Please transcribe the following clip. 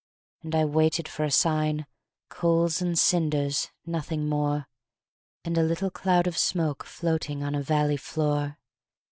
And I waited for a sign; Coals and cinders, nothing more; And a little cloud of smoke Floating on a valley floor.